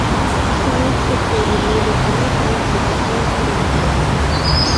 Исаев — соттолгон эл өкүлү Канатбек Исаевдин бир тууганы.